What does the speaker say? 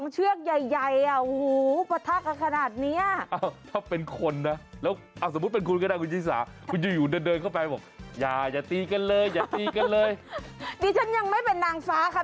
ใจเย็นแล้วก็้าด่วนเหยียกก่อน